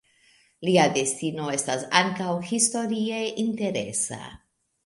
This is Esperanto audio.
Lia destino estas ankaŭ historie interesa.